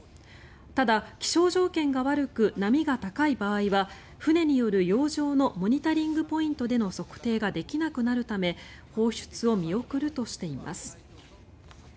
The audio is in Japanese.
ただ、気象条件が悪く波が高い場合は船による洋上のモニタリングポイントでの測定ができなくなるため放出を見送るとしています。